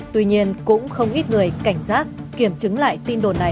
tuy nhiên cũng không ít người cảnh giác kiểm chứng lại tin đồn này